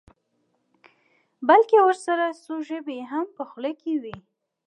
بلکې ورسره څو ژبې یې هم په خوله کې وي.